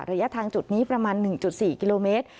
ระยะทางจุดนี้ประมาณ๑๔กิโลเมตร